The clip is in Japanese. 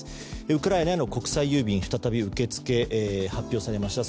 ウクライナへの国際郵便再び受け付け発表されました。